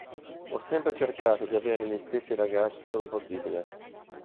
Ho sempre cercato di avere gli stessi ragazzi dove possibile.